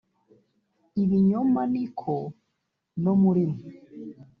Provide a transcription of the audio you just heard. ibinyoma ni ko no muri mwe